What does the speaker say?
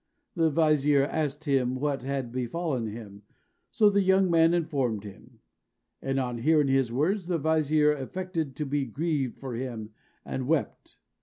The vizier asked him what had befallen him, so the young man informed him; and on hearing his words, the vizier affected to be grieved for him, and wept.